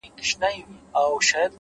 د حقیقت درناوی شخصیت پیاوړی کوي’